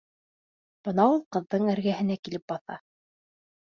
Бына ул ҡыҙҙың эргәһенә килеп баҫа: